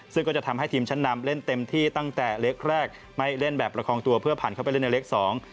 ซึ่งก็จะทำให้ทีมชั้นนำเล่นเต็มที่ตั้งแต่เล็กแรกไม่เล่นแบบประคองตัวเพื่อผ่านเข้าไปเล่นในเล็กสอง